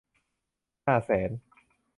ห้าแสน